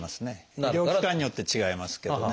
医療機関によって違いますけどね。